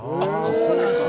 そうなんですね。